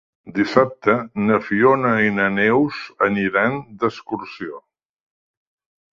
Dissabte na Fiona i na Neus aniran d'excursió.